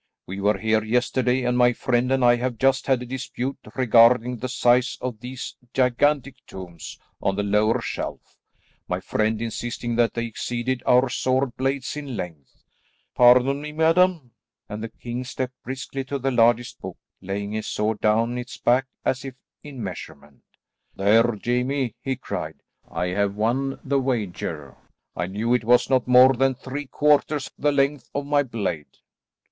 We were here yesterday, and my friend and I have just had a dispute regarding the size of these gigantic tomes on the lower shelf; my friend insisting that they exceeded our sword blades in length. Pardon me madam?" and the king stepped briskly to the largest book, laying his sword down its back as if in measurement. "There, Jamie," he cried, "I have won the wager. I knew it was not more than three quarters the length of my blade."